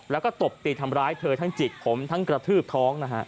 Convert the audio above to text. แล้วก็ตบตีทำร้ายเธอทั้งจิกผมทั้งกระทืบท้องนะฮะ